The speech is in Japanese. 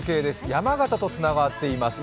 山形とつながっています。